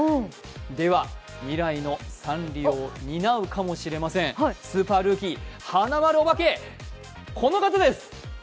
では未来のサンリオを担うかもしれませんスーパールーキー、はなまるおばけこの方です！